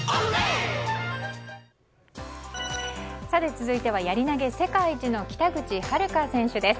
続いては、やり投げ世界一の北口榛花選手です。